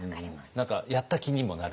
何かやった気にもなるし。